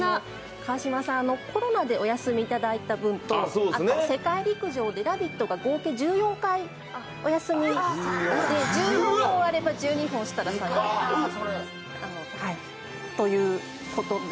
川島さん、コロナでお休みいただいた分とあと世界陸上で「ラヴィット！」が合計１４回お休みで１４本あれば１２本、設楽さんにということで。